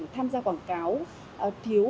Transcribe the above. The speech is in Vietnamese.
tham gia quảng cáo thiếu